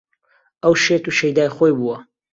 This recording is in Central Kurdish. ئەو شێت و شەیدای خۆی بووە